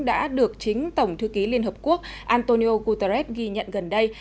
đã được chính tổng thư ký liên hợp quốc antonio guterres ghi nhận gần đây